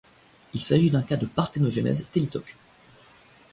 Il s'agit d'un cas de parthénogenèse thélytoque.